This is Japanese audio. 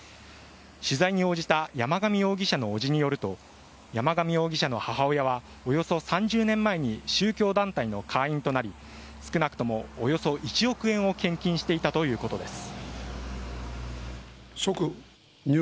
取材に応じた山上容疑者の伯父によると山上容疑者の母親はおよそ３０年前に宗教団体の会員となり少なくともおよそ１億円を献金していたということです。